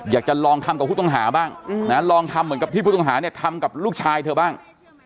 อยากจะลองทำกับผู้ต้องหาบ้างลองทำเหมือนกับที่ผู้ต้องหาเนี่ยทำกับลูกชายเธอบ้าง